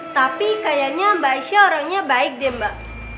tapi kayaknya mbak aisyah orangnya baik deh mbak